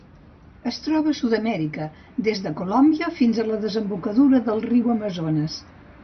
Es troba a Sud-amèrica: des de Colòmbia fins a la desembocadura del riu Amazones.